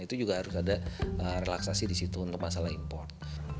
itu juga harus ada relaksasi di situ untuk masalah import